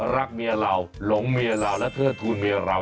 รักเมียเราหลงเมียเราและเทิดทูลเมียเรา